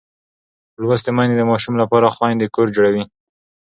لوستې میندې د ماشوم لپاره خوندي کور جوړوي.